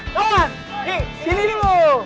kawan di sini dulu